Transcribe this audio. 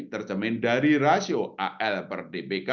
terjamai dari rasio al per dpk